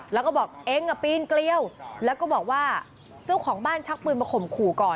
แล้วก็บอกเองปีนเกลี้ยวแล้วก็บอกว่าเจ้าของบ้านชักปืนมาข่มขู่ก่อน